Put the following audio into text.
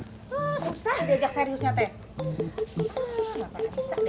susah diajak seriusnya teh